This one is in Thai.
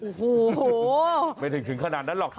โอ้โหไม่ได้ถึงขนาดนั้นหรอก